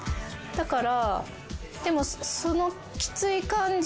だから。